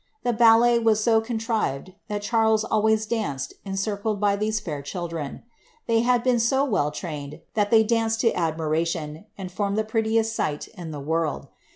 The ballet was so contrived, that Charles always danced encircled by these fair children. They had been so well trained, that they danced to admiration, and formed the prettiest sight in the world.